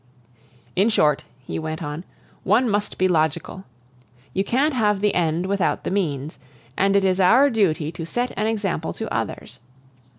"In short," he went on, "one must be logical. You can't have the end without the means, and it is our duty to set an example to others.